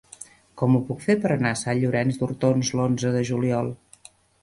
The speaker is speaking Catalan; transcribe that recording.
Com ho puc fer per anar a Sant Llorenç d'Hortons l'onze de juliol?